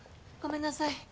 ごめんなさい。